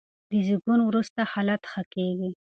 د زېږون وروسته حالت ښه کېږي.